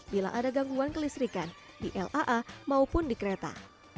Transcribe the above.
bila ada gangguan kelistrikan di laa maupun di kereta